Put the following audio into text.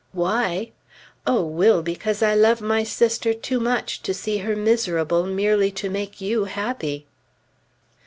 Why? O Will, because I love my sister too much to see her miserable merely to make you happy!